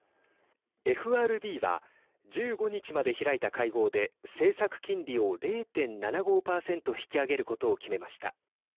ＦＲＢは１５日まで開いた会合で政策金利を０．７５％引き上げることを決めました。